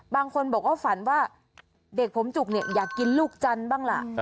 บางคนบอกว่าฝันว่าเด็กผมจุกเนี่ยอยากกินลูกจันทร์บ้างล่ะ